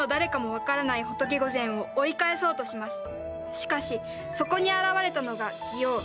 しかしそこに現れたのが王。